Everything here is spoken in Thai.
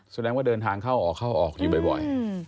สุดท้ายว่าเดินทางเข้าออกอยู่บ่อย